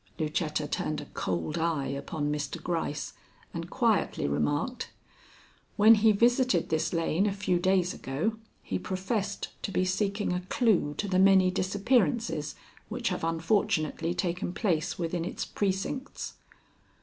Lucetta turned a cold eye upon Mr. Gryce and quietly remarked: "When he visited this lane a few days ago, he professed to be seeking a clue to the many disappearances which have unfortunately taken place within its precincts."